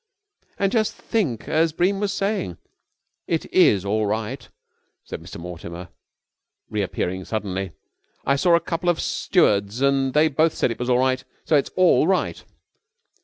"And just think! As Bream was saying...." "It is all right," said Mr. Mortimer, re appearing suddenly. "I saw a couple of stewards and they both said it was all right. So it's all right."